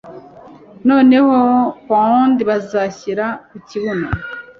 noneho pound bazashyira ku kibuno